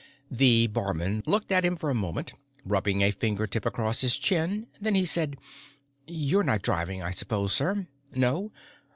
The barman looked at him for a moment, rubbing a fingertip across his chin, then he said: "You're not driving, I suppose, sir? No?